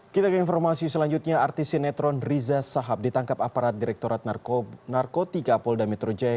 kita ke informasi selanjutnya artis sinetron riza sahab ditangkap aparat direkturat narkotika polda metro jaya